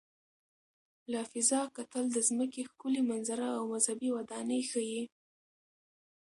له فضا کتل د ځمکې ښکلي منظره او مذهبي ودانۍ ښيي.